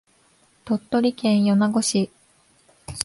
鳥取県米子市